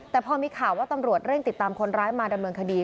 แต่พอมีข่าวว่าตำรวจเร่งติดตามคนร้ายมาดำเนินคดี